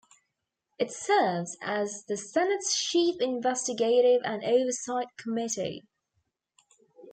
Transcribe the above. It serves as the Senate's chief investigative and oversight committee.